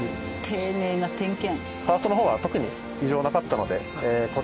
丁寧な点検。